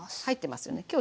入ってますよね。